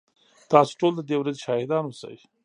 تاسو ټول ددې ورځي شاهدان اوسئ